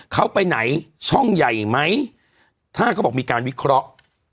เขาไปไหนช่องใหญ่ไหมถ้าเขาบอกมีการวิเคราะห์